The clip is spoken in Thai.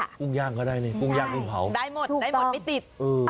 กุ้งย่างก็ได้กุ้งย่างดูเปล่าได้หมดไม่ตีด